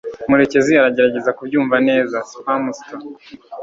murekezi aragerageza kubyumva neza. (Spamster)